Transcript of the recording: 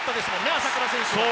朝倉選手は。